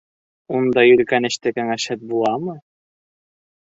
Ундай өлкән эштә кәңәшһеҙ буламы?